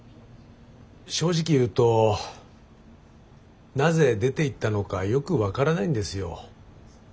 正直言うとなぜ出ていったのかよく分からないんですよ。